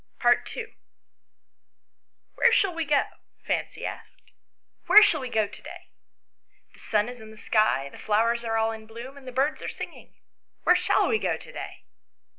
n. " WHEEE shall we go ?" Fancy asked ;" where shall we go to day? The sun is in the sky, the flowers are all in bloom, and the birds are singing. Where shall we go to day?"